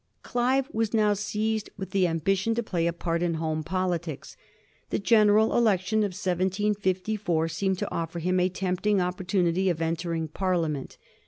Clive was now seized with the ambition to play a part in home politics. The general election of 1754 seemed to offer him a tempting opportunity of entering Parliament.